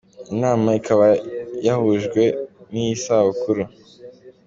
Iyi nama ikaba yahujwe n’iyi sabukuru.